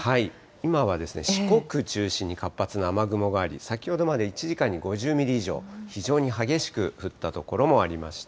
今は四国中心に活発な雨雲があり、先ほどまで１時間に５０ミリ以上、非常に激しく降った所もありました。